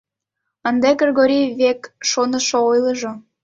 — Ынде Кыргорий век шонышо ойлыжо.